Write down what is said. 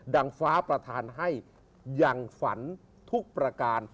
ฟ้าประธานให้ยังฝันทุกประการ